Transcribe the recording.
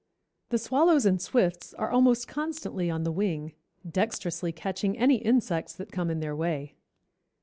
The swallows and swifts are almost constantly on the wing, dexterously catching any insects that come in their way.